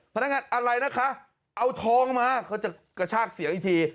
พนักงานอะไรนะคะเอาทองมาเขาจะกระชากเสียงอีกที